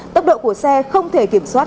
tốc độ của xe không thể kiểm soát